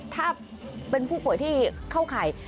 ถ้าเป็นผู้ป่วยที่เข้าข่าย